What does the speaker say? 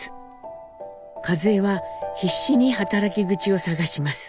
和江は必死に働き口を探します。